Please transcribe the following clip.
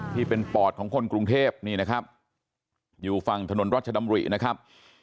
ที่เป็นปอดของคนกรุงเทพนี่นะครับอยู่ฝั่งถนนรัชดำรินะครับ